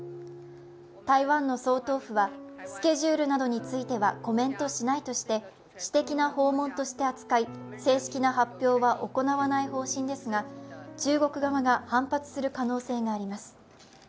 台湾の総統府は、スケジュールなどについてはコメントしないとして私的な訪問として扱い、正式な発表は行わない方針ですが中国側が反発する可能性があります。